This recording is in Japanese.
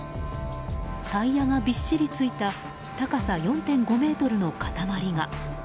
タイヤがびっしりついた高さ４．５ｍの塊が。